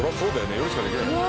夜しかできないもんね。